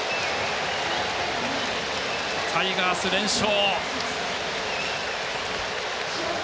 タイガース、連勝。